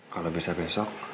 kalau bisa besok